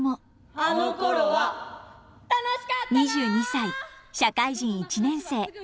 ２２歳社会人１年生。